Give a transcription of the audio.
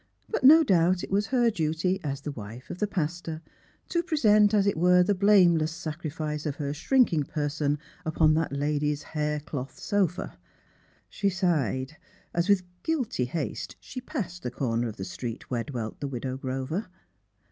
But no doubt it was her duty (as the wife of the pastor) to present, as it were, the blameless sacrifice of her shrinking person upon that lady's hair cloth sofa. She sighed, as with guilty haste she passed the corner of the street where dwelt the Widow Grover.